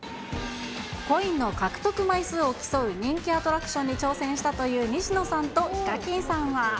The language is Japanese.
コインの獲得枚数を競う人気アトラクションに挑戦したという西野さんとＨＩＫＡＫＩＮさんは。